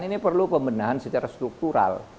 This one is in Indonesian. ini perlu pembenahan secara struktural